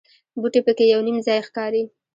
بوټي په کې یو نیم ځای ښکاري.